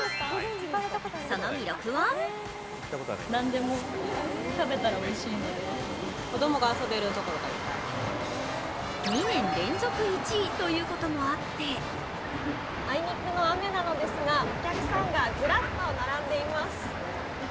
その魅力は２年連続１位ということもあってあいにくの雨なのですが、お客さんがずらっと並んでいます。